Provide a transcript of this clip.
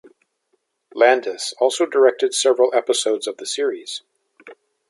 Landis also directed several episodes of the series.